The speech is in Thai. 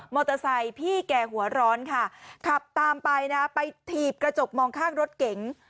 พี่แกหัวร้อนค่ะขับตามไปนะไปถีบกระจกมองข้างรถเก๋ง